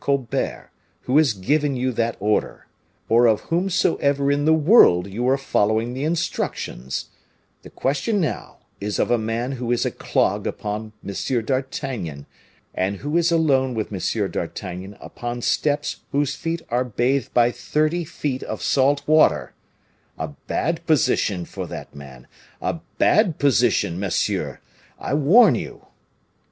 Colbert, who has given you that order, or of whomsoever in the world you are following the instructions; the question now is of a man who is a clog upon M. d'Artagnan, and who is alone with M. d'Artagnan upon steps whose feet are bathed by thirty feet of salt water; a bad position for that man, a bad position, monsieur! I warn you."